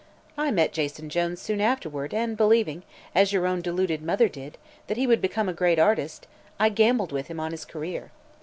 I met Jason Jones soon afterward, and believing, as your own deluded mother did that he would become a great artist, I gambled with him on his career.